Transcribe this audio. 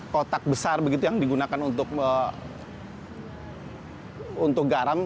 kotak besar begitu yang digunakan untuk garam